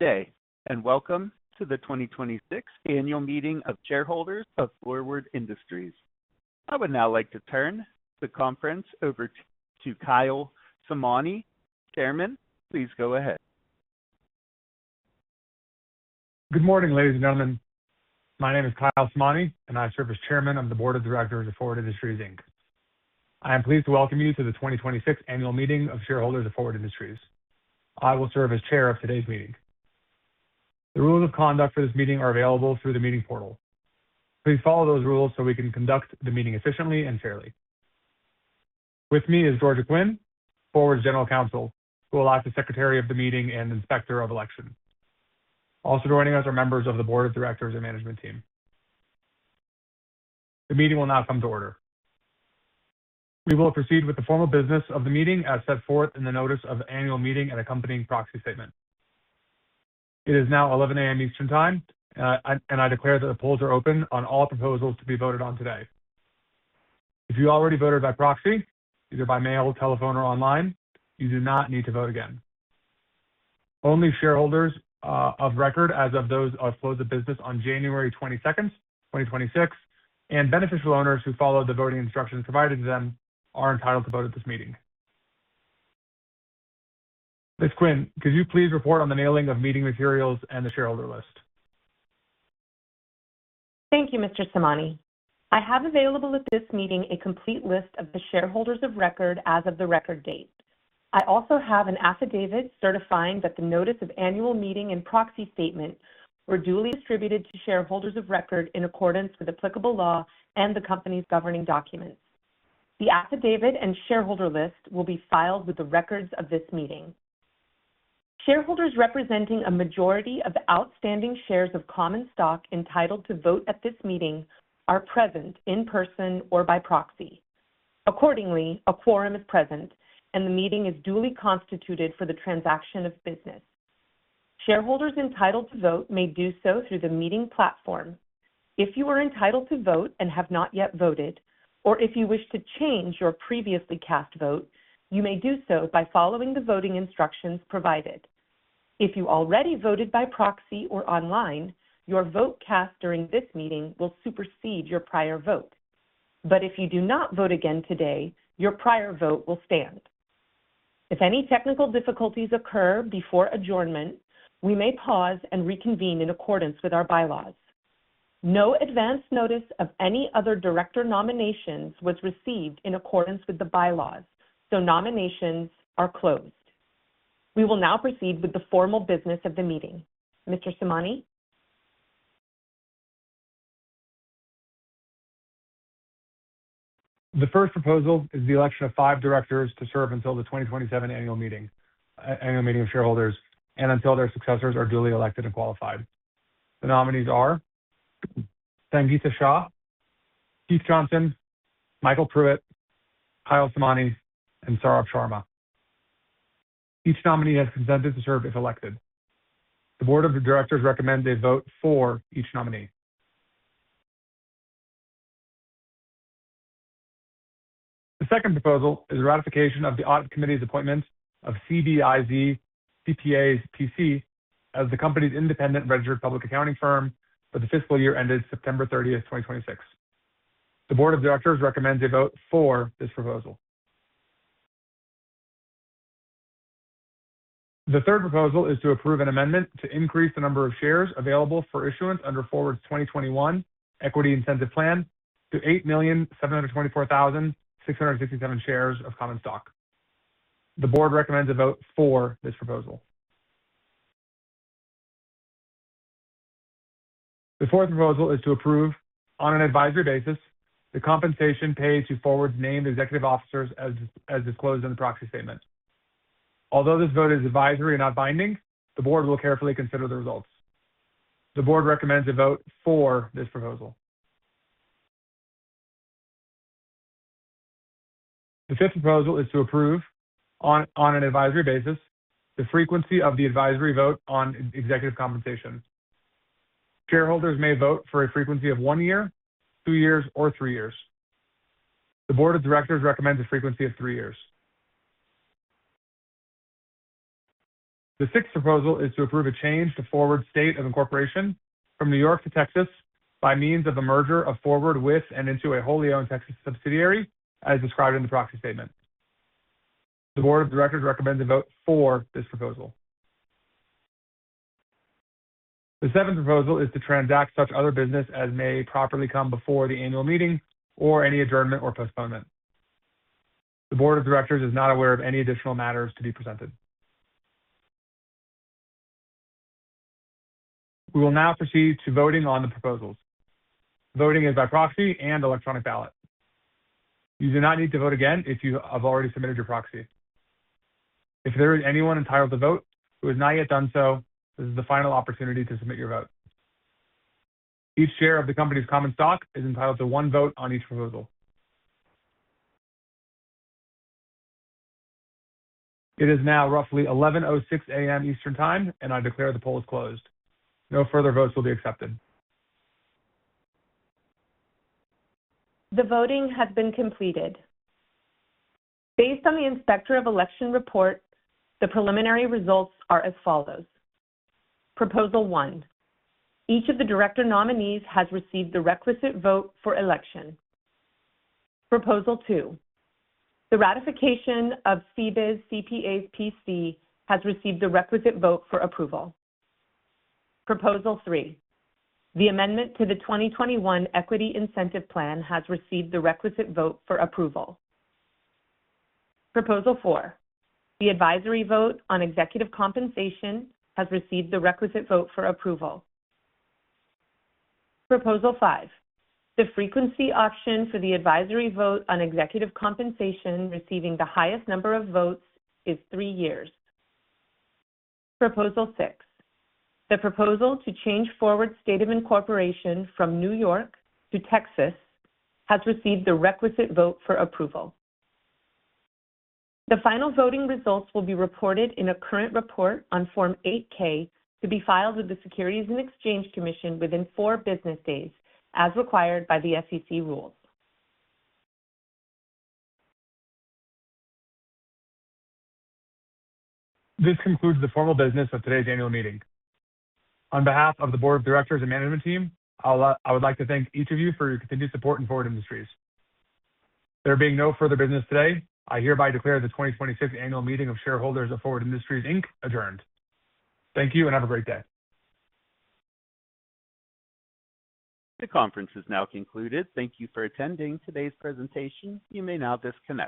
Day. Welcome to the 2026 annual meeting of shareholders of Forward Industries. I would now like to turn the conference over to Kyle Samani. Chairman, please go ahead. Good morning, ladies and gentlemen. My name is Kyle Samani, I serve as Chairman of the Board of Directors of Forward Industries, Inc. I am pleased to welcome you to the 2026 annual meeting of shareholders of Forward Industries. I will serve as Chair of today's meeting. The rules of conduct for this meeting are available through the meeting portal. Please follow those rules we can conduct the meeting efficiently and fairly. With me is Georgia Quinn, Forward's General Counsel, who will act as Secretary of the meeting and Inspector of Election. Also joining us are members of the board of directors and management team. The meeting will now come to order. We will proceed with the formal business of the meeting as set forth in the notice of annual meeting and accompanying proxy statement. It is now 11:00 A.M. Eastern Time. I declare that the polls are open on all proposals to be voted on today. If you already voted by proxy, either by mail, telephone or online, you do not need to vote again. Only shareholders of record as of those as close of business on January 22nd, 2026, and beneficial owners who followed the voting instructions provided to them are entitled to vote at this meeting. Miss Quinn, could you please report on the mailing of meeting materials and the shareholder list? Thank you, Mr. Samani. I have available at this meeting a complete list of the shareholders of record as of the record date. I also have an affidavit certifying that the notice of annual meeting and proxy statement were duly distributed to shareholders of record in accordance with applicable law and the company's governing documents. The affidavit and shareholder list will be filed with the records of this meeting. Shareholders representing a majority of outstanding shares of common stock entitled to vote at this meeting are present in person or by proxy. Accordingly, a quorum is present, and the meeting is duly constituted for the transaction of business. Shareholders entitled to vote may do so through the meeting platform. If you are entitled to vote and have not yet voted, or if you wish to change your previously cast vote, you may do so by following the voting instructions provided. If you already voted by proxy or online, your vote cast during this meeting will supersede your prior vote. If you do not vote again today, your prior vote will stand. If any technical difficulties occur before adjournment, we may pause and reconvene in accordance with our bylaws. No advance notice of any other director nominations was received in accordance with the bylaws, so nominations are closed. We will now proceed with the formal business of the meeting. Mr. Samani? The first proposal is the election of five directors to serve until the 2027 annual meeting of shareholders and until their successors are duly elected and qualified. The nominees are Sangita Shah, Keith Johnson, Michael Pruitt, Kyle Samani, and Saurabh Sharma. Each nominee has consented to serve if elected. The board of the directors recommend a vote for each nominee. The second proposal is ratification of the audit committee's appointments of CBIZ CPAs P.C. as the company's independent registered public accounting firm for the fiscal year ended September 30, 2026. The board of directors recommends a vote for this proposal. The third proposal is to approve an amendment to increase the number of shares available for issuance under Forward's 2021 Equity Incentive Plan to 8,724,667 shares of common stock. The board recommends a vote for this proposal. The fourth proposal is to approve on an advisory basis the compensation paid to Forward's named executive officers as disclosed in the proxy statement. Although this vote is advisory and not binding, the board will carefully consider the results. The board recommends a vote for this proposal. The fifth proposal is to approve on an advisory basis the frequency of the advisory vote on executive compensation. Shareholders may vote for a frequency of 1 year, 2 years, or 3 years. The board of directors recommends a frequency of 3 years. The sixth proposal is to approve a change to Forward's state of incorporation from New York to Texas by means of a merger of Forward with and into a wholly owned Texas subsidiary as described in the proxy statement. The board of directors recommends a vote for this proposal. The seventh proposal is to transact such other business as may properly come before the annual meeting or any adjournment or postponement. The board of directors is not aware of any additional matters to be presented. We will now proceed to voting on the proposals. Voting is by proxy and electronic ballot. You do not need to vote again if you have already submitted your proxy. If there is anyone entitled to vote who has not yet done so, this is the final opportunity to submit your vote. Each share of the company's common stock is entitled to one vote on each proposal. It is now roughly 11:06 A.M. Eastern Time, and I declare the poll is closed. No further votes will be accepted. The voting has been completed. Based on the Inspector of Election report, the preliminary results are as follows. Proposal 1, each of the director nominees has received the requisite vote for election. Proposal 2, the ratification of CBIZ CPAs P.C. has received the requisite vote for approval. Proposal 3, the amendment to the 2021 Equity Incentive Plan has received the requisite vote for approval. Proposal 4, the advisory vote on executive compensation has received the requisite vote for approval. Proposal 5, the frequency option for the advisory vote on executive compensation receiving the highest number of votes is 3 years. Proposal 6, the proposal to change Forward's state of incorporation from New York to Texas has received the requisite vote for approval. The final voting results will be reported in a current report on Form 8-K to be filed with the Securities and Exchange Commission within 4 business days, as required by the SEC rules. This concludes the formal business of today's annual meeting. On behalf of the board of directors and management team, I would like to thank each of you for your continued support in Forward Industries. There being no further business today, I hereby declare the 2026 annual meeting of shareholders of Forward Industries, Inc. adjourned. Thank you, and have a great day. The conference is now concluded. Thank you for attending today's presentation. You may now disconnect.